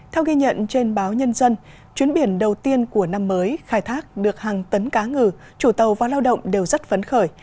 theo ghi nhận trên báo nhân dân chuyến biển đầu tiên của năm mới khai thác được hàng tấn cá ngừ chủ tàu và lao động đều rất phấn khởi